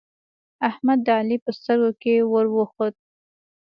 احمد د علی په سترګو کې ور وخوت